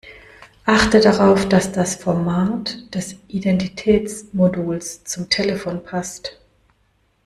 Achte darauf, dass das Format des Identitätsmoduls zum Telefon passt.